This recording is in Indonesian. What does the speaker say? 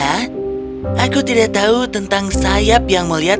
ya aku tidak tahu tentang sayap yang mulia